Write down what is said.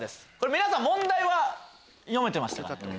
皆さん問題は読めてましたか？